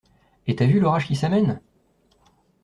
Et t’as vu l’orage qui s’amène?